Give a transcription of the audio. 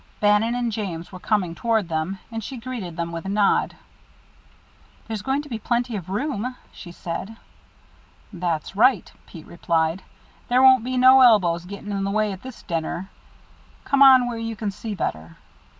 Bannon and James were coming toward them, and she greeted them with a nod. "There's going to be plenty of room," she said. "That's right," Pete replied. "There won't be no elbows getting in the way at this dinner. Come up where you can see better."